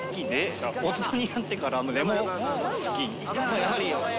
やはり。